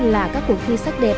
là các cuộc thi sắc đẹp